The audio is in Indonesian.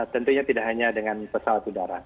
tentunya tidak hanya dengan pesawat udara